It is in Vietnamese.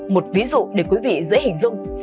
một ví dụ để quý vị dễ hình dung